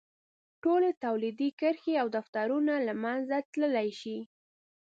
ټولې تولیدي کرښې او دفترونه له منځه تللی شي.